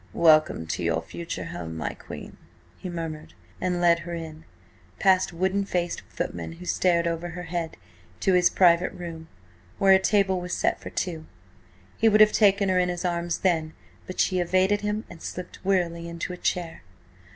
"Welcome to your future home, my queen," he murmured, and led her in, past wooden faced footmen who stared over her head, to his private room, where a table was set for two. He would have taken her in his arms then, but she evaded him and slipped wearily into a chair.